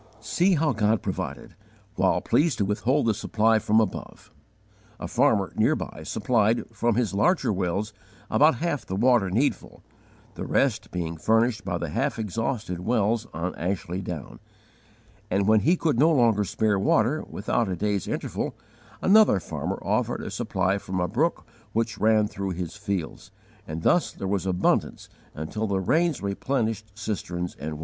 See how God provided, while pleased to withhold the supply from above! A farmer, near by, supplied, from his larger wells, about half the water needful, the rest being furnished by the half exhausted wells on Ashley Down; and, when he could no longer spare water, without a day's interval, another farmer offered a supply from a brook which ran through his fields, and thus there was abundance until the rains replenished cisterns and wells.